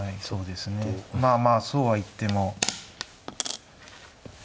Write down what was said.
そうですねまあまあそうは言っても。